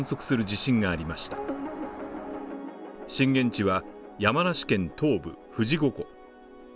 震源地は、山梨県東部富士五湖。